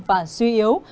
và suy yếu